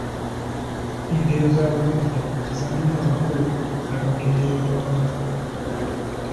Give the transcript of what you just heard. Engero z'Abaganda zaalina amakulu agaagendererwamu.